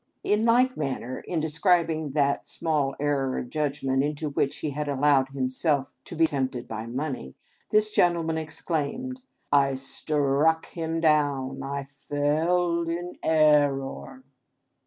In like manner, in describing that small error of judgment into which he had allowed himself to be tempted by money, this gentleman exclaimed, "I ster ruck him down, and fel ed in er orror!"